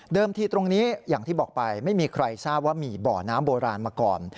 ที่ตรงนี้อย่างที่บอกไปไม่มีใครทราบว่ามีบ่อน้ำโบราณมาก่อน